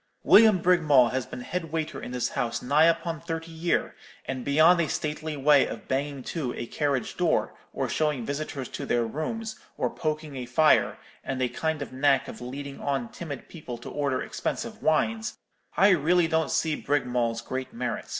William Brigmawl has been head waiter in this house nigh upon thirty year; and beyond a stately way of banging to a carriage door, or showing visitors to their rooms, or poking a fire, and a kind of knack of leading on timid people to order expensive wines, I really don't see Brigmawl's great merit.